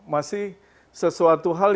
masih sesuatu hal